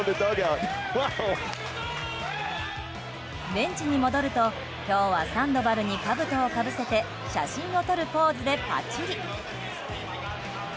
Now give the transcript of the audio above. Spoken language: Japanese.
ベンチに戻ると、今日はサンドバルにかぶとをかぶせて写真を撮るポーズでパチリ。